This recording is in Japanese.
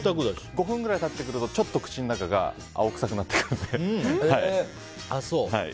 ５分くらい経ってくるとちょっと口の中が青臭くなってくるので。